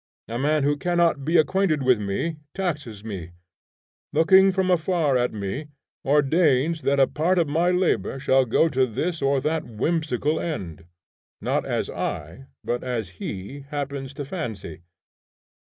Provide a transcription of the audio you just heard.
A man who cannot be acquainted with me, taxes me; looking from afar at me ordains that a part of my labor shall go to this or that whimsical end, not as I, but as he happens to fancy.